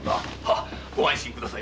ご安心ください。